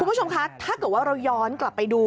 คุณผู้ชมคะถ้าเกิดว่าเราย้อนกลับไปดู